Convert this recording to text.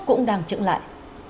cũng đang trựng lại